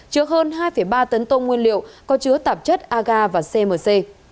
chứa hơn hai ba tấn tông nguyên liệu có chứa tạp chất agar và cmc